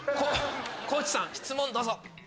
地さん質問どうぞ。